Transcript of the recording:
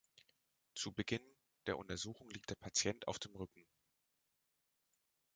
Zu Beginn der Untersuchung liegt der Patient auf dem Rücken.